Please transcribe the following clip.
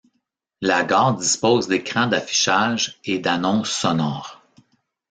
La gare dispose d'écrans d'affichages et d'annonces sonores.